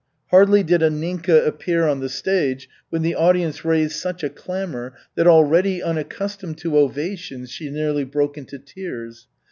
Hardly did Anninka appear on the stage when the audience raised such a clamor that, already unaccustomed to ovations, she nearly broke into tears.